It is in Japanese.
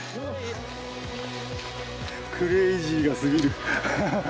クレイジーがすぎる。